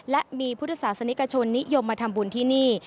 และมีพุทธศาสนิกชนนิยมมาทำบุญที่นี่